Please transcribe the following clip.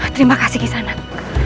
terima kasih kisanak